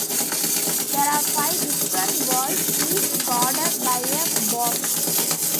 There are five different worlds, each guarded by a boss.